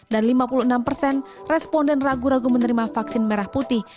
dan lima puluh enam persen responden ragu ragu menerima vaksin merah putih